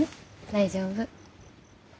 大丈夫。